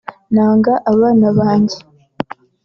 “Nanga abana banjye